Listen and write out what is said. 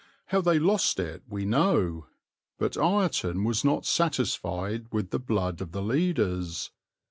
How they lost it we know; but Ireton was not satisfied with the blood of the leaders.